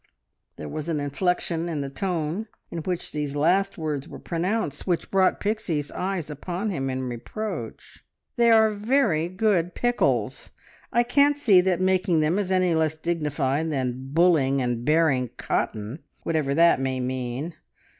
There was an inflection in the tone in which these last words were pronounced which brought Pixie's eyes upon him in reproach. "They are very good pickles! I can't see that making them is any less dignified than `bulling' and `bearing' cotton whatever that may mean!